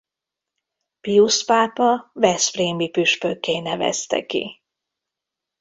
Piusz pápa veszprémi püspökké nevezte ki.